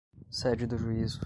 sede do juízo